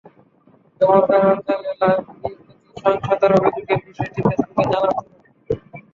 ব্যবহারকারীরা চাইলে লাইভ ভিডিওর ক্ষেত্রেও সহিংসতার অভিযোগের বিষয়টি ফেসবুককে জানাতে পারবেন।